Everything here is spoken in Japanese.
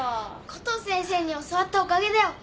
コトー先生に教わったおかげだよ。